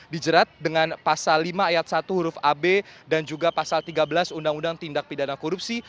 dijerat dengan pasal lima ayat satu huruf ab dan juga pasal tiga belas undang undang tindak pidana korupsi